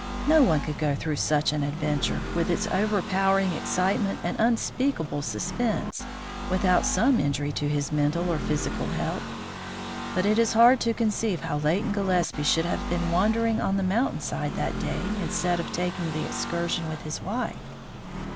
No one could go through such an adventure, with its overpowering excitement and unspeakable suspense, without some injury to his mental or physical health. But it is hard to conceive how Leighton Gillespie should have been wandering on the mountain side that day instead of taking the excursion with his wife."